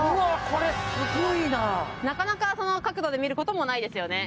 これすごいななかなかその角度で見ることもないですよね